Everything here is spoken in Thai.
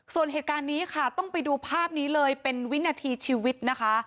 ส่วนเหตุการณ์นี้ค่ะต้องไปดูภาพนี้เลยเป็นวินาทีชีวิตนะคะ